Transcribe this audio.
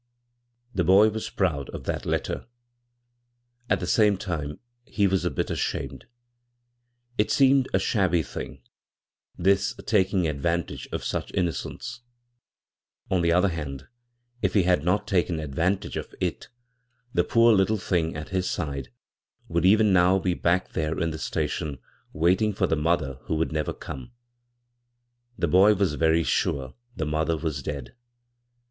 The boy was proud of that " letter." At the same time he was a bit ashamed. It seemed a shabby thing — this taking advan tage of such innocence ; on the other hand, if he had not taken advantage of it, the poor little thing at his side would even now be back there in the station waiting for the mother who would never come — the boy was very sure the mother was dead.